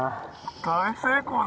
大成功だ。